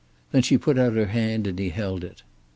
Then she put out her hand and he held it.